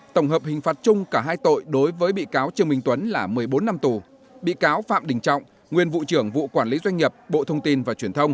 tổng hợp hình phạt chung cả hai tội đối với bị cáo trương minh tuấn là một mươi bốn năm tù